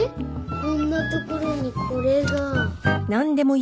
こんなところにこれが